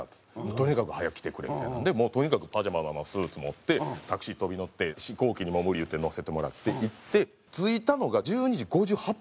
「とにかく早く来てくれ」みたいなのでもうとにかくパジャマのままスーツ持ってタクシー飛び乗って飛行機にも無理言って乗せてもらって行って着いたのが１２時５８分とかなんですよ。